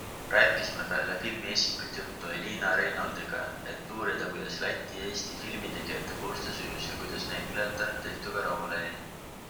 Rääkisime peale filmi esikat juttu Elina Reinoldiga, et uurida kuidas Läti-Eesti filmitegijate koostöö sujus ja kuidas näitlejatar tehtuga rahule jäi.